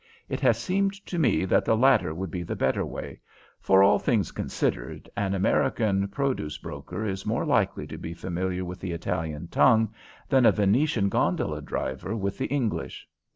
It has seemed to me that the latter would be the better way, for, all things considered, an American produce broker is more likely to be familiar with the Italian tongue than a Venetian gondola driver with the English.